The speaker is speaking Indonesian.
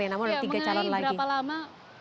ya mengenai berapa lama